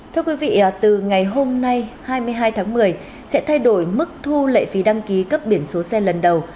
thưa quý vị từ ngày hôm nay hai mươi hai tháng một mươi sẽ thay đổi mức thu lệ phí đăng ký cấp biển số xe lần đầu